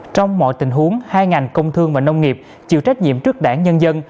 trong mọi tình huống hai ngành công thương và nông nghiệp chịu trách nhiệm trước đảng nhân dân